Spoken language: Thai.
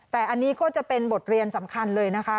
แต่อันนี้ก็จะเป็นบทเรียนสำคัญเลยนะคะ